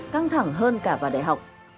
căng thẳng hơn cả vào đại học